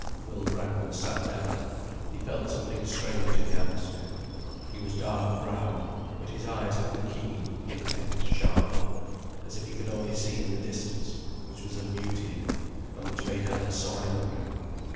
Will Brangwen sat down. He felt something strange in the atmosphere. He was dark browed, but his eyes had the keen, intent, sharp look, as if he could only see in the distance; which was a beauty in him, and which made Anna so angry.